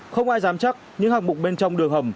không ai dám chắc những hạng mục bên trong đường hầm